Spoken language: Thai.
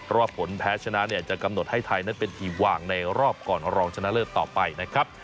ว่าผลแพ้ชนะเนี่ยจะกำหนดให้ไทยนั้นเป็นทีมวางในรอบก่อนรองชนะเลิศต่อไปนะครับ